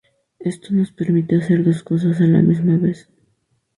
Esto nos permite hacer dos cosas a la misma vez.